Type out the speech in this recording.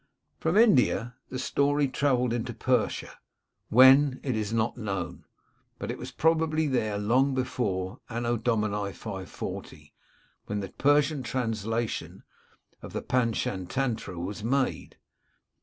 From India the story travelled into Persia — when, is not known ; but it was probably there long before A.D. 540 when the Persian translation of the Pantschatantra was made.